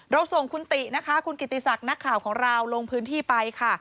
ส่งคุณตินะคะคุณกิติศักดิ์นักข่าวของเราลงพื้นที่ไปค่ะ